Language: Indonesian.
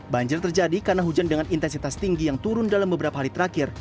banjir terjadi karena hujan dengan intensitas tinggi yang turun dalam beberapa hari terakhir